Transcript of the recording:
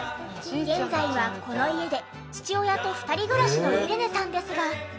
現在はこの家で父親と２人暮らしのイレネさんですが。